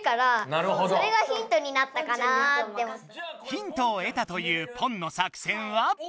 ヒントをえたというポンの作戦は？